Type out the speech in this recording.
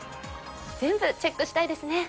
全部チェックしたいですね